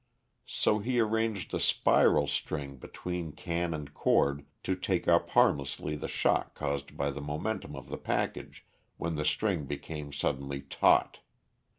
So he arranged a spiral spring between can and cord to take up harmlessly the shock caused by the momentum of the package when the string became suddenly taut.